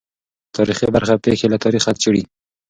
تاریخي برخه پېښې له تاریخه څېړي.